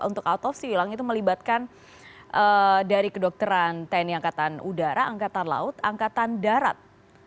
untuk autopsi ulang itu melibatkan dari kedokteran tni angkatan udara angkatan laut angkatan darat